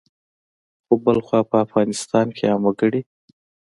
خو بلخوا په افغانستان کې عام وګړي